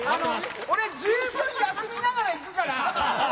俺、十分休みながら行くから。